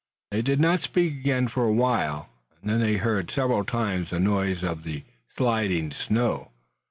They did not speak again for a while and they heard several times the noise of the sliding snow.